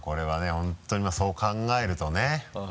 本当にそう考えるとね。